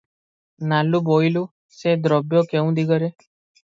ନାଲୁ- ବୋଇଲୁ, ସେ ଦ୍ରବ୍ୟ କେଉଁ ଦିଗରେ?